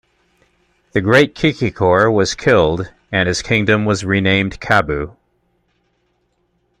The great Kikikor was killed and his kingdom was renamed Kaabu.